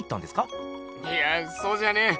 いやぁそうじゃねえ。